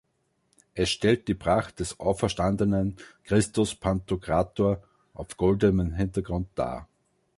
Es stellt die Pracht des auferstandenen Christus Pantokrator auf goldenem Hintergrund dar.